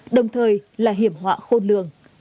đồng thời là hiểm họa khôn lường